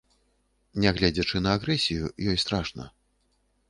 Нягледзячы на агрэсію, ёй страшна.